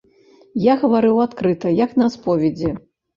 Я гаварыў адкрыта, як на споведзі.